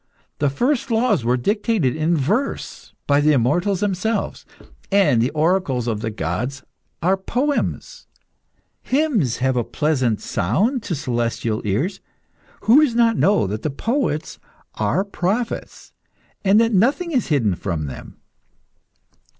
The first laws were dictated in verse by the immortals themselves, and the oracles of the gods are poems. Hymns have a pleasant sound to celestial ears. Who does not know that the poets are prophets, and that nothing is hidden from them?